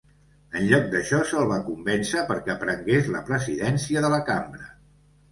En lloc d'això, se'l va convèncer perquè prengués la presidència de la cambra.